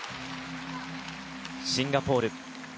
シンガポール。